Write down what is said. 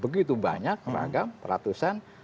begitu banyak ragam ratusan